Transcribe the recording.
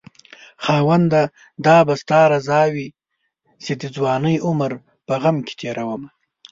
خاونده دا به ستا رضاوي چې دځوانۍ عمر په غم کې تيرومه